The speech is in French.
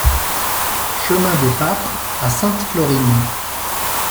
Chemin des Pâtres à Sainte-Florine